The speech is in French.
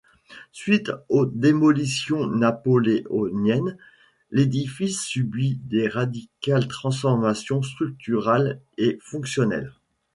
Suite aux démolitions napoléoniennes, l’édifice subit de radicales transformations structurales et fonctionnelles.